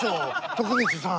徳光さん。